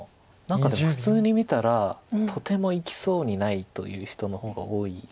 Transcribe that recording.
何かでも普通に見たらとても生きそうにないという人の方が多いのかなと。